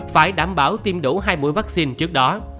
phải đảm bảo tiêm đủ hai mũi vaccine trước đó